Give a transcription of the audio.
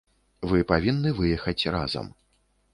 Вы павінны выехаць разам.